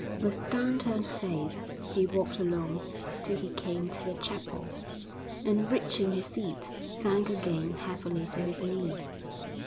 With down turned face he walked along till he came to the chapel, and, reaching his seat, sank again heavily to his knees.